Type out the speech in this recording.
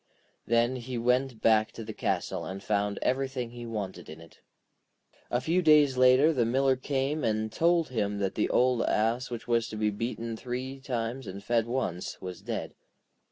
Then he went back to the castle and found everything he wanted in it. A few days later the Miller came and told him that the old ass which was to be beaten three times and fed once, was dead.